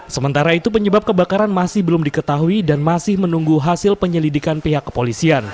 sementara itu penyebab kebakaran masih belum diketahui dan masih menunggu hasil penyelidikan pihak kepolisian